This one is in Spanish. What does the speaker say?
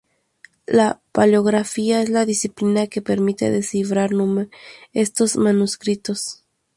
La paleografía es la disciplina que permite descifrar estos manuscritos.